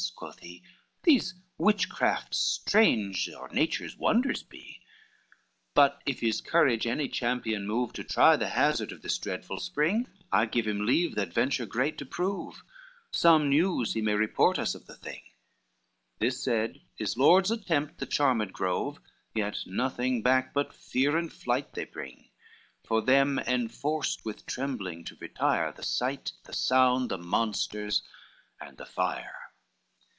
quoth he. "These witchcrafts strange or nature's wonders be. XXXI "But if his courage any champion move To try the hazard of this dreadful spring, I give him leave the adventure great to prove, Some news he may report us of the thing:" This said, his lords attempt the charmed grove, Yet nothing back but fear and flight they bring, For them inforced with trembling to retire, The sight, the sound, the monsters and the fire.